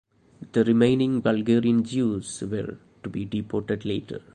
The remaining Bulgarian Jews were to be deported later.